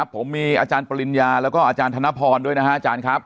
ครับผมมีอาจารย์ปริญญาและอาจารย์ธนพรด้วยนะครับอาจารย์ครับ